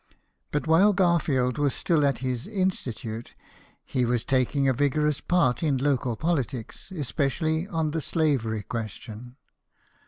But while Garfield was still at his Institute, he was taking a vigorous part in local politics, especially on the slavery question.